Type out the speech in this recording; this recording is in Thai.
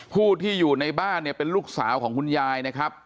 ผู้ที่อยู่ในบ้านเนี่ยเป็นลูกสาวของคุณยายนะครับ